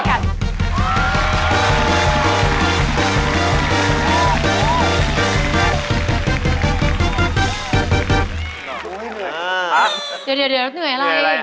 โอ๊ยเหนื่อยเหนื่อยอะไรเหนื่อยอะไร